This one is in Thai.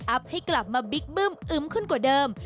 ให้กลับมาบิ๊กบึ้มอึ้มขึ้นกว่าเดิม